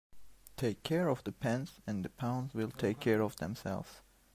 Take care of the pence and the pounds will take care of themselves.